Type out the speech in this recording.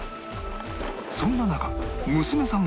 そんな中娘さんが